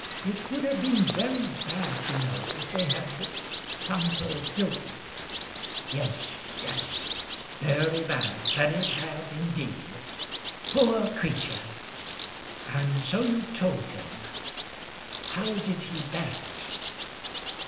It would have been very bad, you know, if they had found her guilty." "Yes, yes; very bad very bad indeed. Poor creature! And so you told him. How did he bear it?"